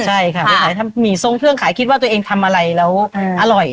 ใช่ค่ะไปขายทำหมี่ทรงเครื่องขายคิดว่าตัวเองทำอะไรแล้วอร่อย